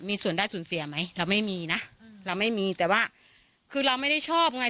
มีส่วนได้ส่วนเสียไหมเราไม่มีนะเราไม่มีแต่ว่าคือเราไม่ได้ชอบไง